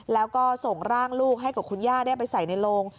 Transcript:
แล้วก็ส่งร่างลูกให้กับคุณย่าได้ไปใส่ในโรง